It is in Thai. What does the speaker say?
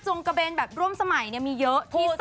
กระเบนแบบร่วมสมัยมีเยอะที่สุด